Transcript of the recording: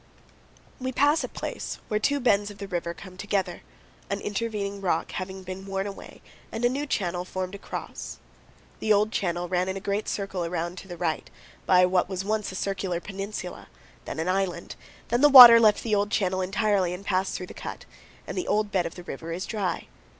We pass a place where two bends of the river come together, an intervening rock having been worn away and a new channel formed across. The old channel ran in a great circle around to the right, by what was once a circular peninsula, then an island; then the water left the old channel entirely and passed through the cut, and the old bed of the river is dry.